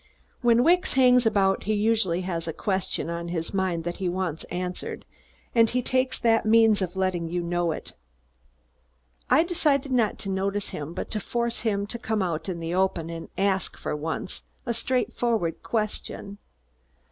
When Wicks hangs about he usually has a question on his mind that he wants answered, and he takes that means of letting you know it. I decided not to notice him but to force him to come out in the open and ask, for once, a straightforward question.